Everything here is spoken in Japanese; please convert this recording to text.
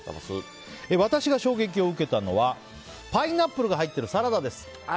私が衝撃を受けたのはパイナップルが入っているサラダです。